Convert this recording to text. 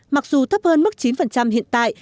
mặc dù thấp hơn mức chín hiện tại